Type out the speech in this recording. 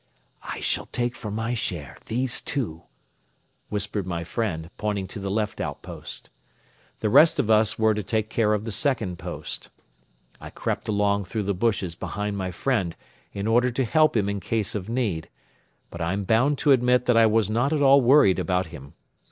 "I shall take for my share these two," whispered my friend, pointing to the left outpost. The rest of us were to take care of the second post. I crept along through the bushes behind my friend in order to help him in case of need; but I am bound to admit that I was not at all worried about him.